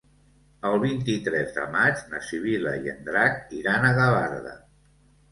El vint-i-tres de maig na Sibil·la i en Drac iran a Gavarda.